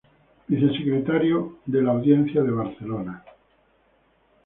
Vicesecretario a la Audiencia de Barcelona.